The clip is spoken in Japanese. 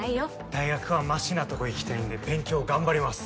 大学はマシなとこ行きたいんで勉強頑張ります